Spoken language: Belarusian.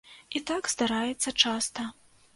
І так здараецца часта.